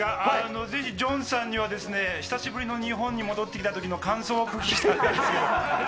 ぜひ、ジョンさんには久しぶりの日本に戻ってきたときの感想をお聞きしたかったんですけど。